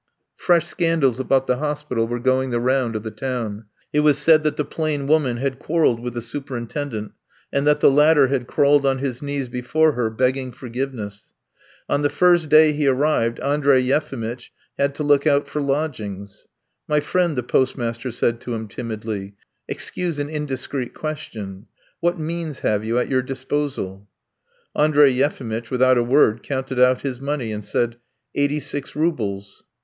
Fresh scandals about the hospital were going the round of the town. It was said that the plain woman had quarrelled with the superintendent, and that the latter had crawled on his knees before her begging forgiveness. On the very first day he arrived Andrey Yefimitch had to look out for lodgings. "My friend," the postmaster said to him timidly, "excuse an indiscreet question: what means have you at your disposal?" Andrey Yefimitch, without a word, counted out his money and said: "Eighty six roubles."